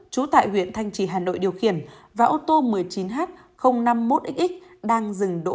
trú tại huyện thanh trì hà nội điều khiển và ô tô một mươi chín h năm mươi một xx đang dừng đỗ